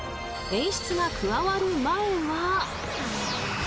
［演出が加わる前は］